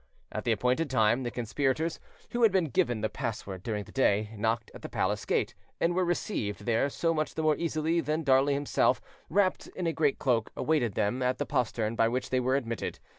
At the appointed time, the conspirators, who had been given the password during the day, knocked at the palace gate, and were received there so much the more easily that Darnley himself, wrapped in a great cloak, awaited them at the postern by which they were admitted.